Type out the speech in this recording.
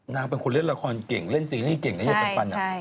เป็นคนเล่นละครเก่งเล่นซีรีส์เก่งนะอย่าปัน